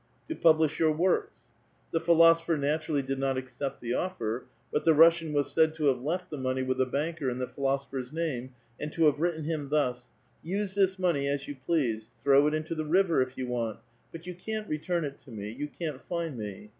"To publish your works." The philosopher naturally did not accept the offer ; but the Russian" was said to have left the money with a banker in the philosopher's name, and to have written him thus: "Use this money as 3'ou please. Throw it into the river, if you want, but you can't return it to me ; you can't find me."